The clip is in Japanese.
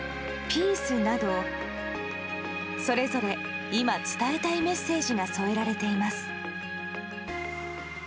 「ＰＥＡＣＥ」などそれぞれ今、伝えたいメッセージが添えられています。